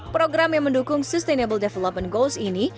program yang mendukung sustainable development goals ini